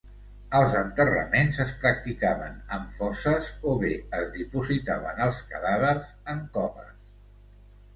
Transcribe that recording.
Els enterraments es practicaven en fosses o bé es dipositaven els cadàvers en coves.